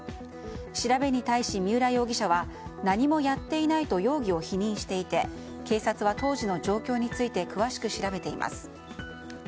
調べに対し、三浦容疑者は何もやっていないと容疑を否認していて警察は当時の状況について詳しく調べています。